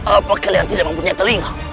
apa kalian tidak mempunyai telinga